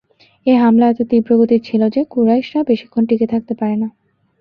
এ হামলা এত তীব্র গতির ছিল যে, কুরাইশরা বেশিক্ষণ টিকে থাকতে পারে না।